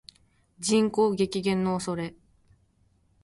人口激減の恐れ